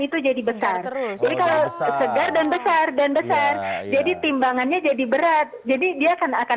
itu jadi besar jadi kalau segar dan besar dan besar jadi timbangannya jadi berat jadi dia akan